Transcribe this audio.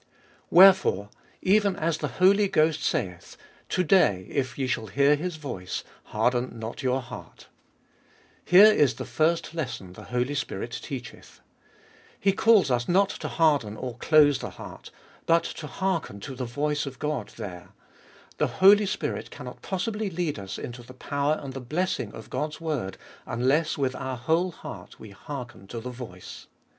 Wherefore, even as the Holy Ghost saith, To day if ye shall hear His voice, harden not your heart. Here is the first lesson the Holy Spirit teacheth. He calls us not to harden or close the heart, but to hearken to the voice of God there ; the Holy Spirit cannot possibly lead us into the power and the blessing of God's word unless with our whole heart we Jiearken to the voice.